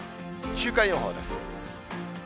週間予報です。